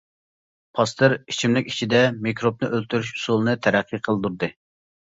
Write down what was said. پاستېر ئىچىملىك ئىچىدە مىكروبنى ئۆلتۈرۈش ئۇسۇلىنى تەرەققىي قىلدۇردى.